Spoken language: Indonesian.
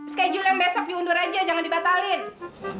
schedule yang besok diundur aja jangan di batalin